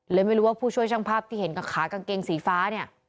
ไม่รู้ว่าผู้ช่วยช่างภาพที่เห็นกับขากางเกงสีฟ้าเนี่ย